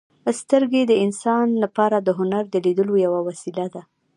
• سترګې د انسان لپاره د هنر د لیدلو یوه وسیله ده.